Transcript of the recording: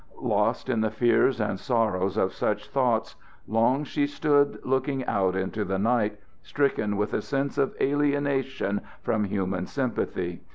Lost in the fears and sorrows of such thoughts, long she stood looking out into the night, stricken with a sense of alienation from human sympathy.